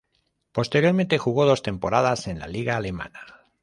Posteriormente jugó dos temporadas en la liga alemana.